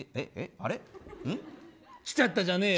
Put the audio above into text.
来ちゃったじゃねえよ。